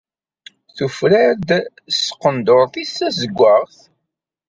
Tufrar-d s tqendurt-is tazeggaɣt.